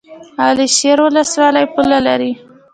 علي شیر ولسوالۍ پوله لري؟